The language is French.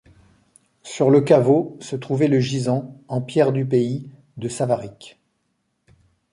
Sur le caveau se trouvait le gisant, en pierre du pays, de Savaric.